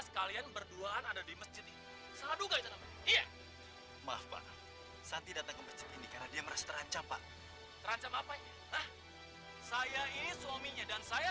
sampai jumpa di video selanjutnya